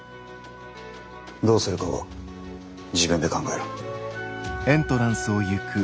どうするかは自分で考えろ。